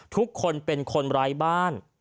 ทุกคนเป็นคนร้ายบ้าน